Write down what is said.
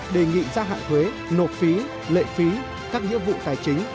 đề nghị gia hạn thuế nộp phí lệ phí các nghĩa vụ tài chính